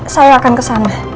saya akan ke sana